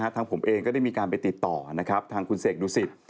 ทางผมเองก็ได้มีการไปติดต่อทางคุณเสกดูสิต